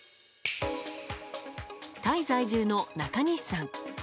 タイ在住の中西さん。